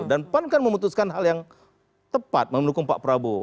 dan pan kan memutuskan hal yang tepat mendukung pak prabowo